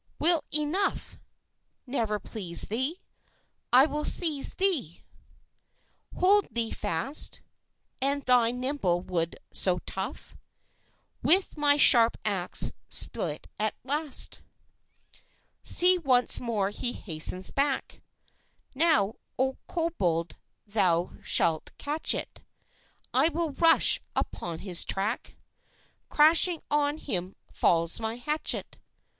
"Will enough Never please thee? I will seize thee, Hold thee fast, And thy nimble wood so tough With my sharp axe split at last. "See, once more he hastens back! Now, O Cobold, thou shalt catch it! I will rush upon his track; Crashing on him falls my hatchet.